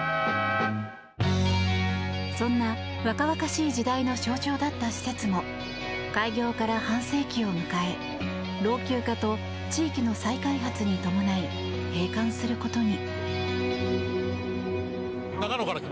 そんな若々しい時代の象徴だった施設も開業から半世紀を迎え老朽化と地域の再開発に伴い閉館することに。